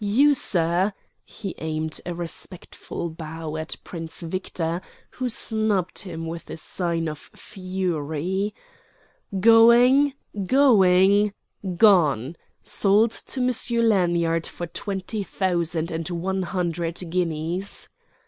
You, sir—?" He aimed a respectful bow at Prince Victor, who snubbed him with a sign of fury. "Going—going—gone! Sold to Monsieur Lanyard for twenty thousand and one hundred guineas!"